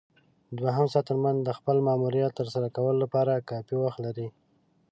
دوهم ساتنمن د خپل ماموریت ترسره کولو لپاره کافي وخت لري.